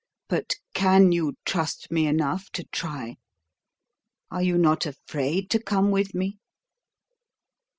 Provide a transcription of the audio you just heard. But can you trust me enough to try? Are you not afraid to come with me?"